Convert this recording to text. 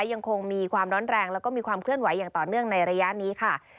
ยังคงมีความร้อนแรงแล้วก็มีความเคลื่อนไหวอย่างต่อเนื่องในระยะนี้ค่ะ